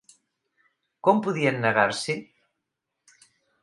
Com podien negar-s'hi?